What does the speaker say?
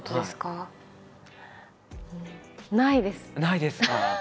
ないですか？